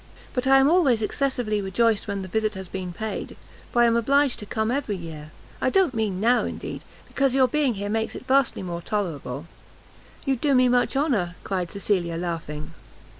But I am always excessively rejoiced when the visit has been paid, for I am obliged to come every year. I don't mean now, indeed, because your being here makes it vastly more tolerable." "You do me much honour," cried Cecilia, laughing.